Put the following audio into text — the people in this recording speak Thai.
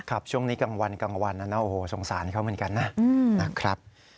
ครับช่วงนี้กลางวันกลางวันนะโอ้โหสงสารเขาเหมือนกันนะ